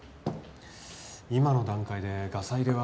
今の段階でガサ入れは。